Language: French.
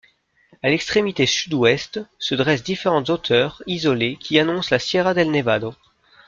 À l'extrémité sud-ouest se dressent différentes hauteurs isolées, qui annoncent la Sierra del Nevado.